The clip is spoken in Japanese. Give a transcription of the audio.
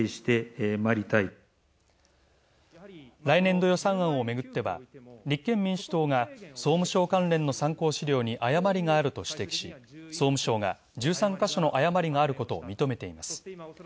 来年度予算案をめぐっては立憲民主党が総務省関連の参考資料に誤りがあると指摘し、総務省が１３ヶ所の誤りがあることを認めています。